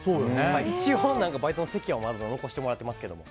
一応、バイトの席はまだ残してもらってますけども。